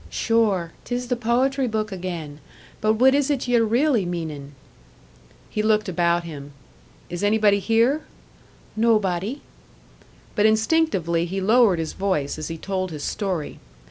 "Sure, 'tis the poetry book again! But what is it ye're really meanin'?" He looked about him. "Is anybody here?" "Nobody." But instinctively he lowered his voice as he told his story.